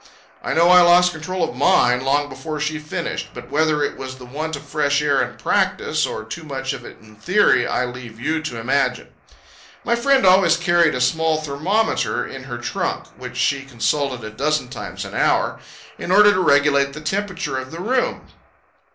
I know I lost all control of mine long before she finished; but whether it was the want of fresh air in practice, or too much of it in theory, I leave you to imagine. My friend always carried a small thermometer in her trunk, which she consulted a dozen times an hour, in order to regulate the temperature of the room.